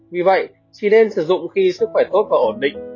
vì vậy chỉ nên sử dụng khi sức khỏe tốt và ổn định